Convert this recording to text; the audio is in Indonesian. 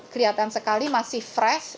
kelihatan sekali masih fresh